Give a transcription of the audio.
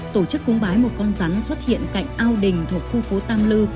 tổ chức cúng bái một con rắn xuất hiện cạnh ao đình thuộc khu phố tam lư